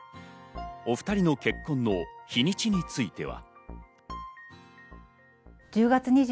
お２人の結婚の日にちについては。